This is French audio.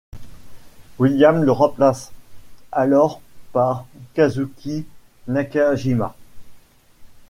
Williams le remplace alors par Kazuki Nakajima.